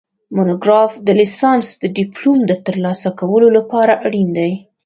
مونوګراف د لیسانس د ډیپلوم د ترلاسه کولو لپاره اړین دی